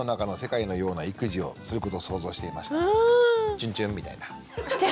チュンチュンみたいな。